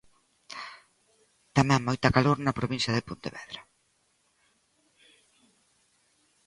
Tamén moita calor na provincia de Pontevedra.